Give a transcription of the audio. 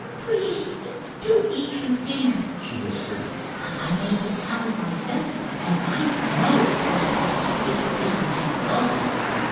"Please do eat your dinner," she whispered. "I made the salad myself. And I know what it takes to keep a big man going.